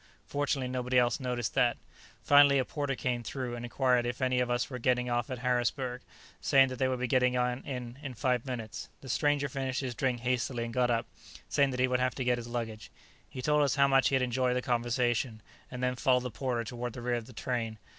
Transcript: Fortunately, nobody else noticed that. Finally, a porter came through and inquired if any of us were getting off at Harrisburg, saying that we would be getting in in five minutes. The stranger finished his drink hastily and got up, saying that he would have to get his luggage. He told us how much he had enjoyed the conversation, and then followed the porter toward the rear of the train.